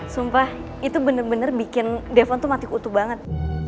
sumpah itu bener bener bikin devon tuh mati kutu banget